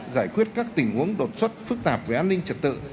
giải quyết các tình huống đột xuất phức tạp về an ninh trật tự